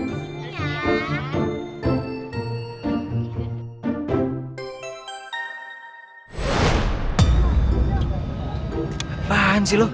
gapahan sih lo